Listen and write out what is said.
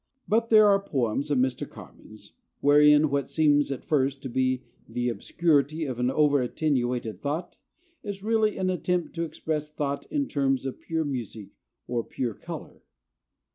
But there are poems of Mr. Carman's, wherein what seems at first to be the obscurity of an over attenuated thought is really an attempt to express thought in terms of pure music or pure color.